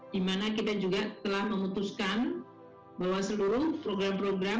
dimana kita juga telah memutuskan bahwa seluruh program program